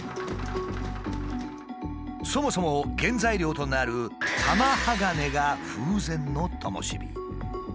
そもそも原材料となる玉鋼が風前のともし火。